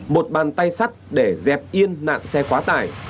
một bàn tay sắt để dẹp yên nạn xe quá tải